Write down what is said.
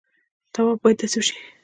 طواف باید داسې وشي.